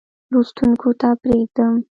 لوستونکو ته پرېږدم.